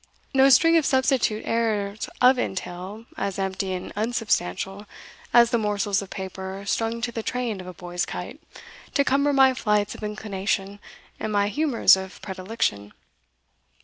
No string of substitute heirs of entail, as empty and unsubstantial as the morsels of paper strung to the train of a boy's kite, to cumber my flights of inclination, and my humours of predilection.